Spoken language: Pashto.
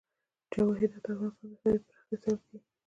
جواهرات د افغانستان د ښاري پراختیا سبب کېږي.